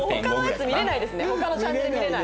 他のチャンネル見れない。